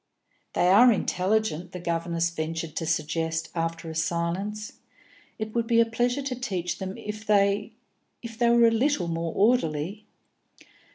"They are intelligent," the governess ventured to suggest, after a silence. "It would be a pleasure to teach them if they if they were a little more orderly."